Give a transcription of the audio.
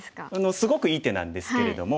すごくいい手なんですけれども。